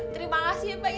terima kasih ya pak